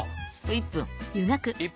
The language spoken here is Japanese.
１分。